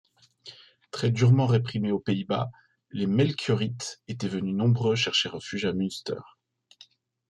Très durement réprimés aux Pays-Bas, les melchiorites étaient venus nombreux chercher refuge à Münster.